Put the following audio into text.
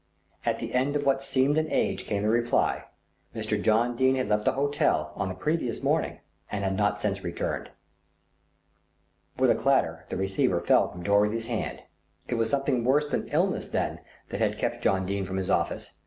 At the end of what seemed an age came the reply: Mr. John Dene had left the hotel on the previous morning and had not since returned. With a clatter the receiver fell from Dorothy's hand. It was something worse than illness then that had kept John Dene from his office!